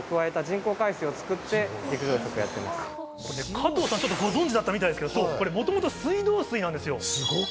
加藤さん、ご存じだったみたいですけど、もともと水道水なんですよ。